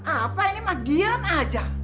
apa ini mah diem aja